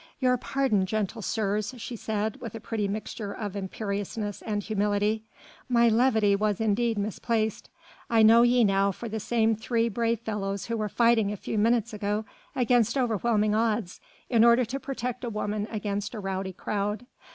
"Your pardon, gentle sirs," she said, with a pretty mixture of imperiousness and humility; "my levity was indeed misplaced. I know ye now for the same three brave fellows who were fighting a few moments ago against overwhelming odds, in order to protect a woman against a rowdy crowd.